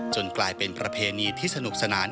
กลายเป็นประเพณีที่สนุกสนาน